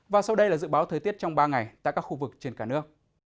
và sau đây là dự báo thời tiết trong ba ngày tại các khu vực trên cả nước